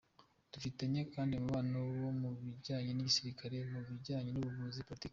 Dufitanye kandi umubano mu bijyanye n’igisirikare, mu bijyanye n’ubuvuzi, politiki.